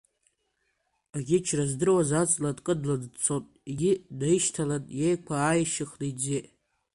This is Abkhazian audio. Аӷьычра здыруаз аҵла дкыдланы дцот, егьи днаишьҭалан, иеиқәа ааишьхны иӡет.